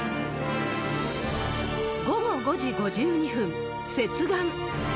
午後５時５２分接岸。